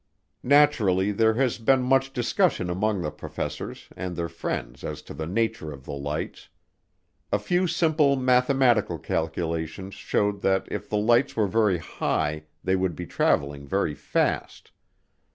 Naturally there has been much discussion among the professors and their friends as to the nature of the lights. A few simple mathematical calculations showed that if the lights were very high they would be traveling very fast.